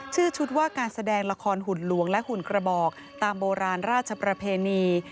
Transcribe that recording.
ชื่อชุดว่าการแสดงละครหุ่นหลวงและหุ่นกระบอกตามโบราณราชประเพณี